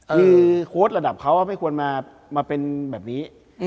คือโค้ดระดับเขาไม่ควรมาเป็นแบบนี้